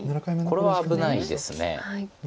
これは危ないです。